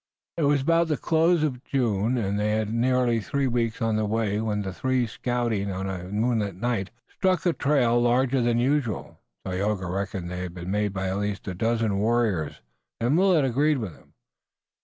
It was about the close of June and they had been nearly three weeks on the way when the three, scouting on a moonlight night, struck a trail larger than usual. Tayoga reckoned that it had been made by at least a dozen warriors, and Willet agreed with him.